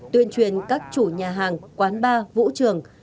tuyên truyền các chủ nhà hàng quán bar vũ trường